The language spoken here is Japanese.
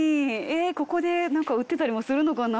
ここでなんか売ってたりもするのかな。